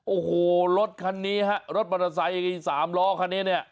โอ้โหรถคันนี้ฮะรถมอเตอร์ไซค์สามล้อคันนี้เนี่ย